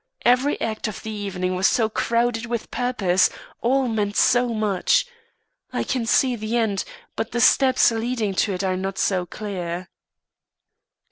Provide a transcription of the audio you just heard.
Every act of the evening was so crowded with purpose; all meant so much. I can see the end, but the steps leading to it are not so clear."